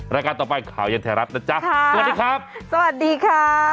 รายการต่อไปข่าวเย็นไทยรัฐนะจ๊ะสวัสดีครับสวัสดีค่ะ